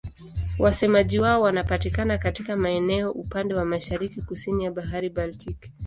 Wasemaji wao wanapatikana katika maeneo upande wa mashariki-kusini ya Bahari Baltiki.